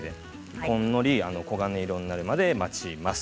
ほんのり黄金色になるまで待ちます。